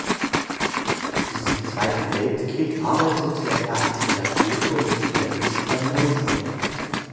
Bis zum Zweiten Weltkrieg arbeitete er als Pädagoge und Pianist beim Rundfunk.